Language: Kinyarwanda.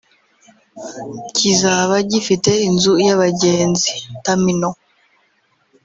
Kizaba gifite inzu y’abagenzi (Terminal)